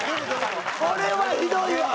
これはひどいわ。